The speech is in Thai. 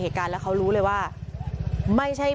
พวกมันต้องกินกันพี่